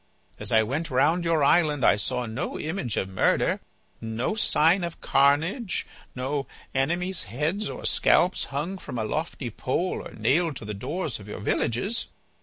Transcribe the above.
As I went round your island I saw no image of murder, no sign of carnage, no enemies' heads or scalps hung from a lofty pole or nailed to the doors of your villages.